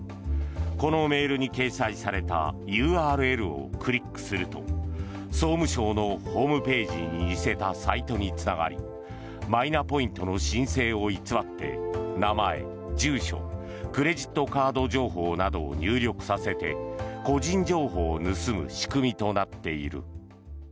このメールに掲載されたＵＲＬをクリックすると総務省のホームページに似せたサイトにつながりマイナポイントの申請を偽って名前、住所クレジットカード情報などを入力させて個人情報を盗む仕組みとなっている。